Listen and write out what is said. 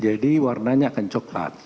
jadi warnanya akan coklat